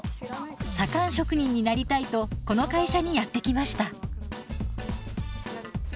左官職人になりたいとこの会社にやって来ました。